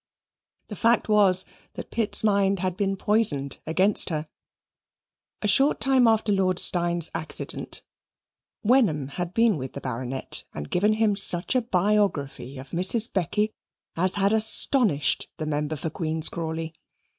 The fact was that Pitt's mind had been poisoned against her. A short time after Lord Steyne's accident Wenham had been with the Baronet and given him such a biography of Mrs. Becky as had astonished the member for Queen's Crawley.